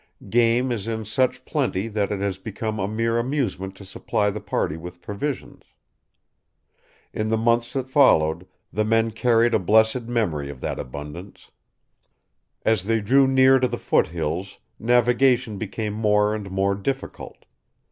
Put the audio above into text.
Game is in such plenty that it has become a mere amusement to supply the party with provisions." In the months that followed, the men carried a blessed memory of that abundance. As they drew near to the foothills, navigation became more and more difficult.